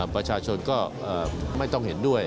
ประชาชนก็ไม่ต้องเห็นด้วย